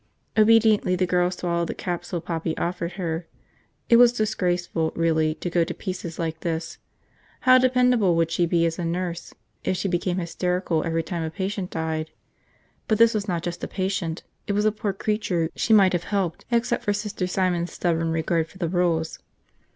Obediently the girl swallowed the capsule Poppy offered her. It was disgraceful, really, to go to pieces like this. How dependable would she be as a nurse if she became hysterical every time a patient died? But this was not just a patient, it was a poor creature she might have helped except for Sister Simon's stubborn regard for rules.